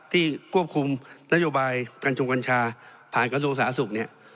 ที่ควบคุมนโยบายกัญชงกัญชาผ่านกระทรวงสาธารณสุขเนี่ย